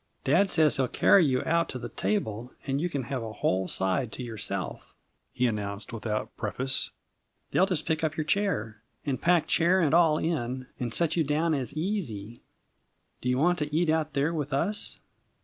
"Dad says he'll carry you out to the table and you can have a whole side to yourself," he announced without preface. "They'll just pick up your chair, and pack chair and all in, and set you down as ee asy do you want to eat out there with us?"